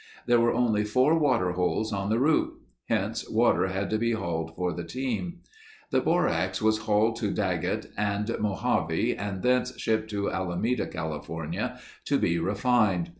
There were only four water holes on the route. Hence, water had to be hauled for the team. The borax was hauled to Daggett and Mojave and thence shipped to Alameda, California, to be refined.